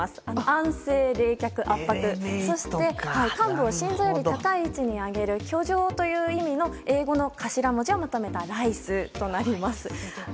安静、冷却、圧迫、そして患部を心臓より高い位置に上げる挙上という意味の英語の頭文字をまとめたＲＩＣＥとなります。